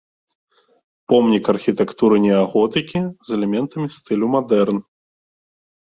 Помнік архітэктуры неаготыкі з элементамі стылю мадэрн.